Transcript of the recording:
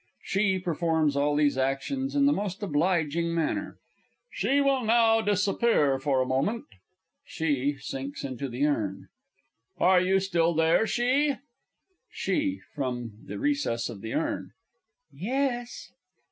(SHE performs all these actions in the most obliging manner.) She will now disappear for a moment. (SHE sinks into the Urn.) Are you still there, She? SHE (from the recess of the Urn). Yes.